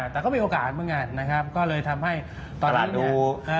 แต่ก็มีโอกาสเหมือนกันนะครับก็เลยทำให้ตอนนั้นดู